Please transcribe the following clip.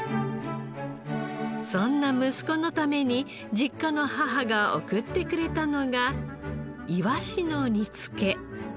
そんな息子のために実家の母が送ってくれたのがイワシの煮つけ。